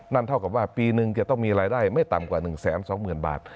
นั่นเท่ากับว่าปีนึงจะต้องมีรายได้ไม่ต่ำกว่าหนึ่งแสนสองหมื่นบาท